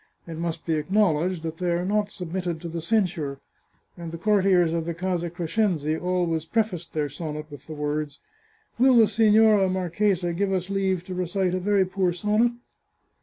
It must be acknowledged that they are not submitted to the censure, and the courtiers of the Casa Crescenzi always prefaced their sonnet with the words, " Will the Signora Mar chesa give us leave to recite a very poor sonnet